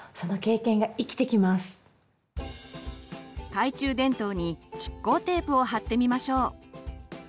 懐中電灯に蓄光テープを貼ってみましょう。